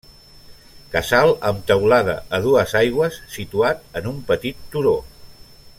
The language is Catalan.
Casal amb teulada a dues aigües situat en un petit turó.